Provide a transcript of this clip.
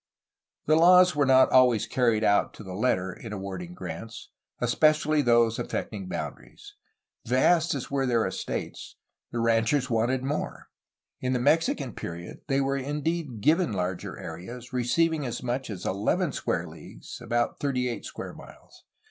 The laws were not always carried out to the letter in awarding grants, especially those affecting boundaries. Vast as were their estates, the ranchers wanted more. In the Mexi can period they were indeed given larger areas, receiving as much as eleven square leagues (about thirty eight square miles).